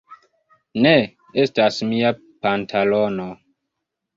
Ne! Estas mia pantalono!